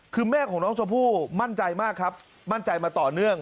คือแม่ของน้องชมพู่มั่นใจมากครับมั่นใจมาต่อเนื่อง